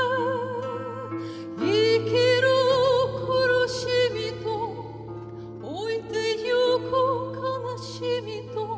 「生きる苦しみと老いてゆく悲しみと」